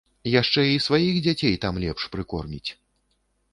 Яшчэ і сваіх дзяцей там лепш прыкорміць.